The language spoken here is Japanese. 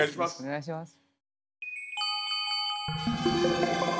お願いします。